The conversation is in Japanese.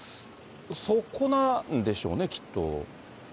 そこなんでしょうね、きっと。